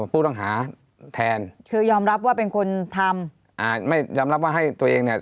ผู้ต้องหาแทนคือยอมรับว่าเป็นคนทำอ่าไม่ยอมรับว่าให้ตัวเองเนี่ย